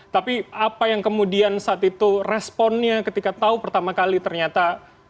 tapi apa yang kemudian saat itu responnya ketika tahu pertama kali ternyata